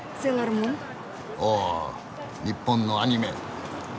おお日本のアニメ。